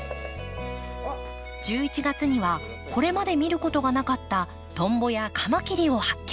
１１月にはこれまで見ることがなかったトンボやカマキリを発見。